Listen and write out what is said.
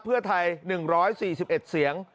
เพื่อไทย๑๔๑เสียง